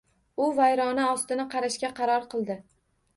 U vayrona ostini qarashga qaror qildi.